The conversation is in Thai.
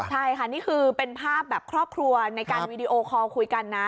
ใช่ค่ะนี่คือเป็นภาพแบบครอบครัวในการวีดีโอคอลคุยกันนะ